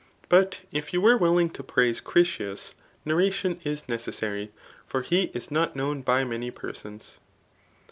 But if you were wflling to praise Critias, narration is necessary ; for he is not known by many persons.